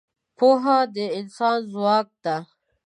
پوهه د انسان ځواک ده.